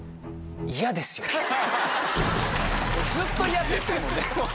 ずっと嫌って言ってるもんね。